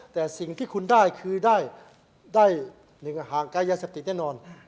แต่สิ่งที่คุณได้คือได้หนึ่งห่างกายยาเสพติดแน่นอน